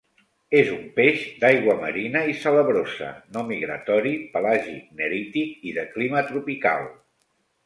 És un peix d'aigua marina i salabrosa, no migratori, pelàgic-nerític i de clima tropical.